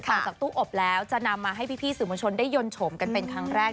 จากตู้อบแล้วจะนำมาให้พี่สื่อมวลชนได้ยนต์ชมกันเป็นครั้งแรก